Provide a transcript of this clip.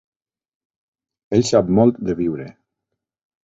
Ell sap molt de viure.